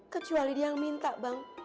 kecuali dia yang minta bang